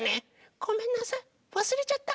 ・ごめんなさいわすれちゃった。